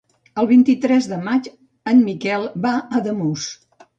El vint-i-tres de maig en Miquel va a Ademús.